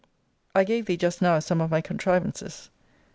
I gave thee just now some of my contrivances.